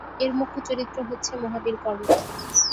এর মুখ্য চরিত্র হচ্ছে মহাবীর কর্ণ।